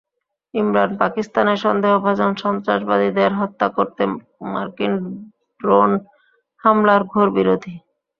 ইমরান পাকিস্তানে সন্দেহভাজন সন্ত্রাসবাদীদের হত্যা করতে মার্কিন ড্রোন হামলার ঘোর বিরোধী।